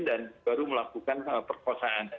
dan baru melakukan perkosaan